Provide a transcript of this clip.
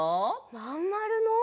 まんまるの？